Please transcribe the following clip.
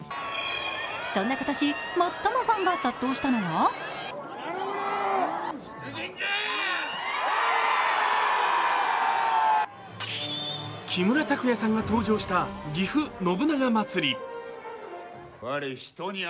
そんな今年、最もファンが殺到したのが木村拓哉さんが登場したぎふ信長まつり。